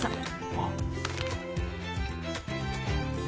あっ。